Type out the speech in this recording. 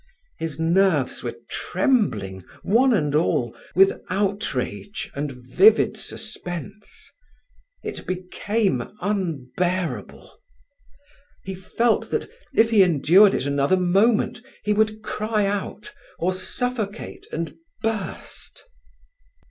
His nerves were trembling, one and all, with outrage and vivid suspense. It became unbearable. He felt that, if he endured it another moment, he would cry out, or suffocate and burst.